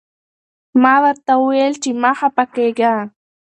ما ورته وویل چې مه خفه کېږه.